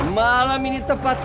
malam ini tepat